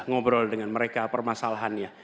ngobrol dengan mereka permasalahannya